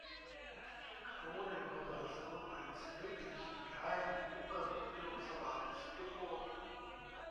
Krohne wurde als Sohn eines Wirklichen Geheimen Oberregierungsrates geboren.